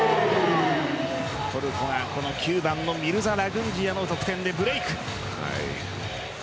トルコが９番のミルザ・ラグンジヤの得点でブレーク。